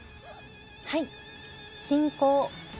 はい。